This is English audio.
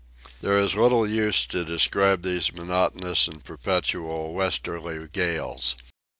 There is little use to describe these monotonous and perpetual westerly gales.